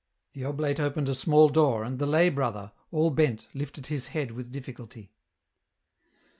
The oblate opened a small door, and the lay brother, all bent, lifted his head with difficulty.